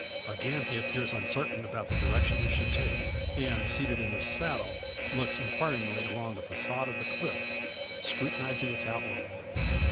Again, he appears uncertain about the direction he should take; and seated in his saddle, looks inquiringly along the facade of the cliff, scrutinising its outline.